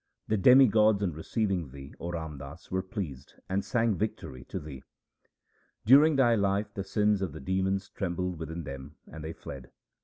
The demigods on receiving thee, 0 Ram Das, were pleased, and sang victory to thee. During thy life the sins of the demons 1 trembled within them and they fled.